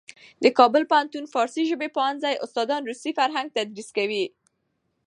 د کابل پوهنتون فارسي ژبې پوهنځي استادان روسي فرهنګ تدریس کوي.